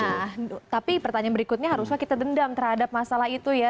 nah tapi pertanyaan berikutnya haruslah kita dendam terhadap masalah itu ya